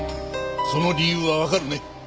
その理由はわかるね？